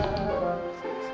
dagulah si sakit